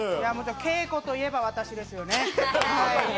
稽古といえば私です。